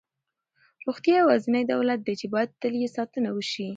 روغتیا یوازینی دولت دی چې باید تل یې ساتنه وشي.